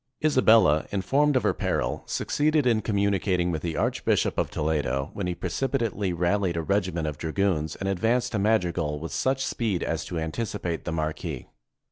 Isabella, informed of her peril, succeeded in com municating with the Archbishop of Toledo, when he precipitately rallied a regiment of dragoons and ad vanced to Madrigal with such speed as to anticipate the marquis.